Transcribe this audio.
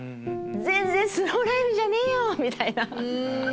全然スローライフじゃねえよ！みたいな。